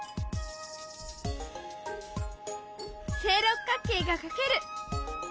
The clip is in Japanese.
正六角形が描ける。